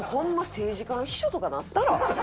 政治家の秘書とかなったら？